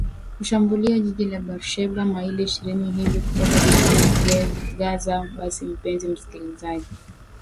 kushambulia jiji la bar sheba maili ishirini hivi kutoka jijini gaza basi mpenzi msikilizaji